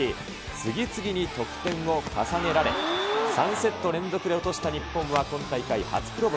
次々に得点を重ねられ、３セット連続で落とした日本は、今大会初黒星。